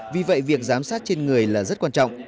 vì vậy việc giám sát trên người là rất quan trọng